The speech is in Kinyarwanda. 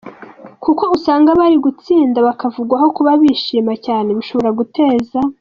kuko usanga bari gutsinda bakavugwaho kuba bishima cyane bishobora guteza.